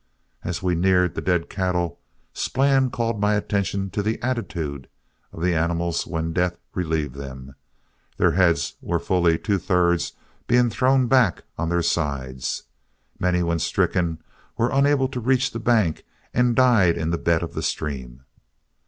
As we neared the dead cattle, Splann called my attention to the attitude of the animals when death relieved them, the heads of fully two thirds being thrown back on their sides. Many, when stricken, were unable to reach the bank, and died in the bed of the stream.